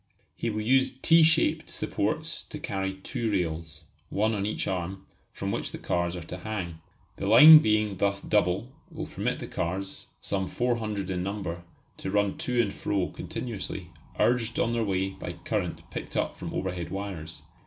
He will use T shaped supports to carry two rails, one on each arm, from which the cars are to hang. The line being thus double will permit the cars some four hundred in number to run to and fro continuously, urged on their way by current picked up from overhead wires.